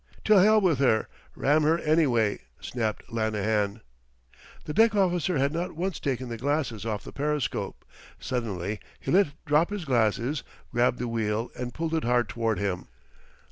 "To hell with her ram her anyway!" snapped Lanahan. The deck officer had not once taken the glasses off the periscope. Suddenly he let drop his glasses, grabbed the wheel and pulled it hard toward him.